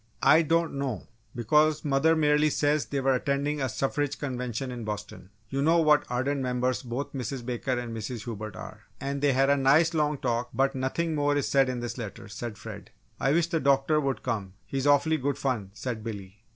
"I don't know, because mother merely says they were attending a suffrage convention in Boston you know what ardent members both Mrs. Baker and Mrs. Hubert are? And they had a nice long talk, but nothing more is said in this letter," said Fred. "I wish the doctor would come he's awfully good fun!" said Billy.